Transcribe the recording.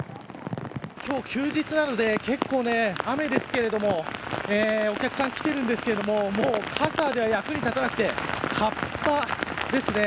今日、休日なので結構、雨ですけれどもお客さん来ているんですけれどももう傘が役に立たなくてカッパですね。